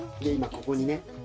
ここにね